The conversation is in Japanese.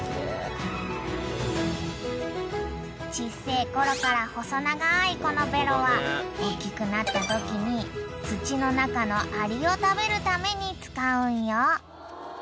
［ちっせえころから細長いこのベロはおっきくなったときに土の中のアリを食べるために使うんよ］